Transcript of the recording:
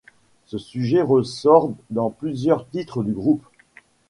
Ce sujet ressort dans plusieurs titres du groupe.